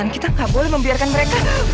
kita nggak boleh membiarkan mereka